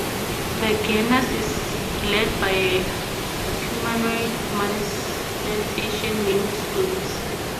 The "Genus" is led by a "humanoid manifestation" named Scopes.